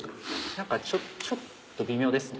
何かちょっと微妙ですね。